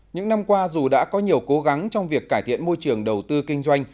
những năm qua dù đã có nhiều cố gắng trong việc cải thiện môi trường đầu tư kinh doanh